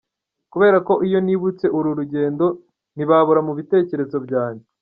Kubera ko iyo nibutse uru rugendo ntibabura mu bitekerezo byanjye.